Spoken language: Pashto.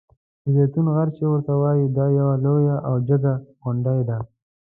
د زیتون غر چې ورته وایي دا یوه لویه او جګه غونډۍ ده.